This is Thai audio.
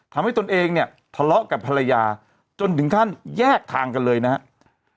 ตนเองเนี่ยทะเลาะกับภรรยาจนถึงขั้นแยกทางกันเลยนะครับ